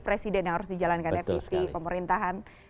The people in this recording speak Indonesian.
presiden yang harus dijalankan revisi pemerintahan